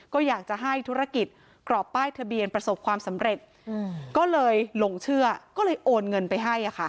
ก็อยากจะให้ธุรกิจกรอบป้ายทะเบียนประสบความสำเร็จก็เลยหลงเชื่อก็เลยโอนเงินไปให้